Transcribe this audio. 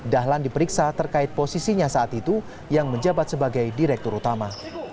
dahlan diperiksa terkait posisinya saat itu yang menjabat sebagai direktur utama